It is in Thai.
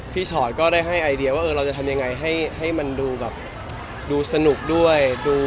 ชอตก็ได้ให้ไอเดียว่าเราจะทำยังไงให้มันดูแบบดูสนุกด้วย